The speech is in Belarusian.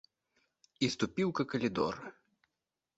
І ступіў ка калідор.